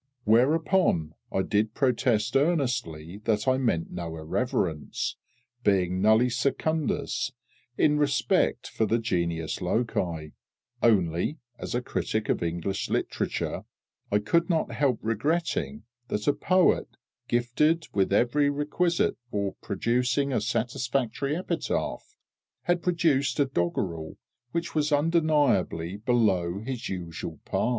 Whereupon I did protest earnestly that I meant no irreverence, being nulli secundus in respect for the Genius Loci, only, as a critic of English Literature, I could not help regretting that a poet gifted with every requisite for producing a satisfactory epitaph had produced a doggerel which was undeniably below his usual par.